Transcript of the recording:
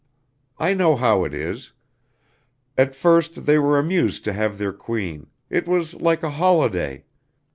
I know how it is; at first they were amused to have their queen, it was like a holiday.